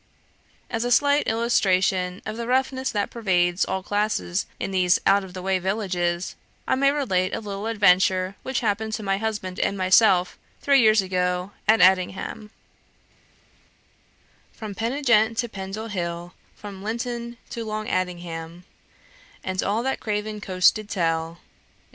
As a slight illustration of the roughness that pervades all classes in these out of the way villages, I may relate a little adventure which happened to my husband and myself, three years ago, at Addingham From Penigent to Pendle Hill, From Linton to Long Addingham And all that Craven coasts did tell, &c.